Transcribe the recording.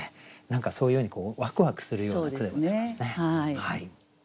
何かそういうようにワクワクするような句でございますね。